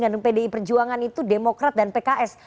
dan pdi perjuangan itu demokrat dan pks